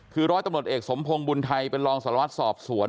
คือร้อยตำรวจเอกสมพงศ์บุญไทยเป็นรองสารวัตรสอบสวน